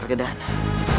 aku akan mengejarmu